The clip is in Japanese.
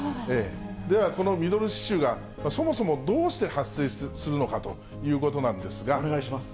では、このミドル脂臭がそもそもどうして発生するのかということなんでお願いします。